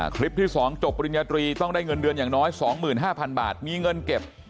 คลิปที่๒จบปริญญาตรีต้องได้เงินเดือนอย่างน้อย๒๕๐๐๐บาทมีเงินเก็บ